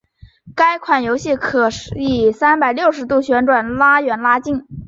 该款游戏可以三百六十度旋转拉远拉近。